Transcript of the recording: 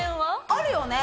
あるよね。